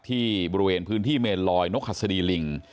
ที่บริเวณพื้นที่เมนลอยนกหัสดีลิง